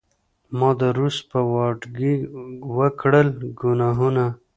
ما د روس په واډکې وکړل ګناهونه